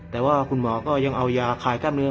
แต่ว่าคุณหมอก็ยังเอายาคลายกล้ามเนื้อ